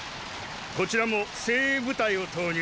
こちらも精鋭部隊を投入しろ。